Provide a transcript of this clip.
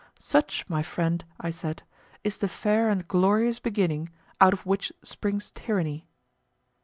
Such, my friend, I said, is the fair and glorious beginning out of which springs tyranny.